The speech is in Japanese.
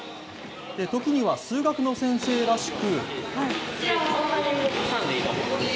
時には数学の先生らしく。